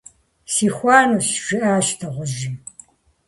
- Сихуэнущ, - жиӏащ дыгъужьым.